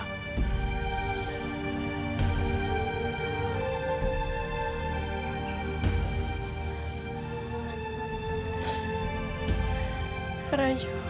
itu semua karena dirimu